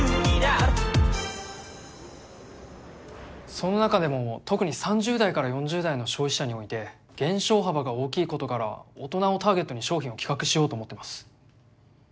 その中でも特に３０代から４０代の消費者において減少幅が大きいことから大人をターゲットに商品を企画しようと思ってます。